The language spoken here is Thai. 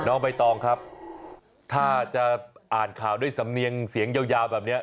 ใบตองครับถ้าจะอ่านข่าวด้วยสำเนียงเสียงยาวแบบนี้